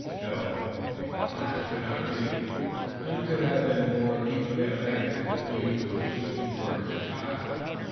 No; the last could not be. None could have been more deeply affected than he who was seeking for his child.